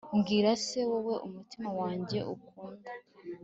mbwira se, wowe umutima wanjye ukunda